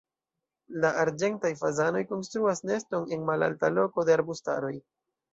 La arĝentaj fazanoj konstruas neston en malalta loko de arbustaroj.